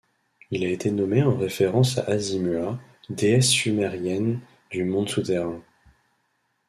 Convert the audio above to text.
Il a été nommé en référence à Azimua, déesse sumérienne du monde souterrain.